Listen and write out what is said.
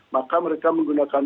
maka mereka menggunakan gas armat